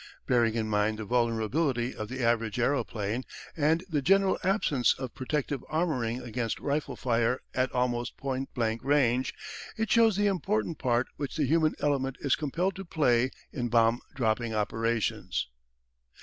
Bearing in mind the vulnerability of the average aeroplane, and the general absence of protective armouring against rifle fire at almost point blank range, it shows the important part which the human element is compelled to play in bomb dropping operations.